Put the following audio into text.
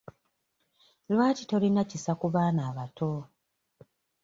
Lwaki tolina kisa ku baana abato?